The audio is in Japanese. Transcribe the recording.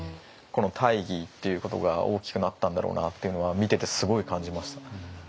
この大義っていうことが大きくなったんだろうなっていうのは見ててすごい感じました。